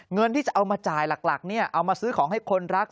เงินที่จะเอามาจ่ายหลักเอามาซื้อของให้คนรัก